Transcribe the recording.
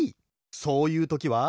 そういうときは。